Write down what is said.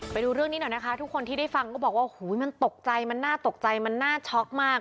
ไปดูเรื่องนี้หน่อยนะคะทุกคนที่ได้ฟังก็บอกว่าหูยมันตกใจมันน่าตกใจมันน่าช็อกมาก